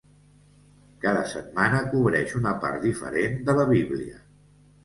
Cada setmana cobreix una part diferent de la Bíblia.